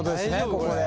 ここで。